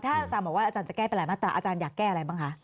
อาจารย์บอกว่าอาจารย์จะแก้ไปหลายมาตราอาจารย์อยากแก้อะไรบ้างคะ